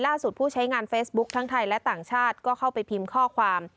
ผู้ใช้งานเฟซบุ๊คทั้งไทยและต่างชาติก็เข้าไปพิมพ์ข้อความ